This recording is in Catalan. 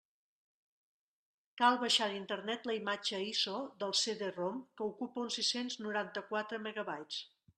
Cal baixar d'Internet la imatge ISO del CD-ROM, que ocupa uns sis-cents noranta-quatre megabytes.